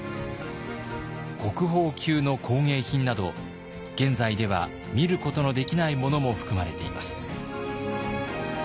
国宝級の工芸品など現在では見ることのできないものも含まれています。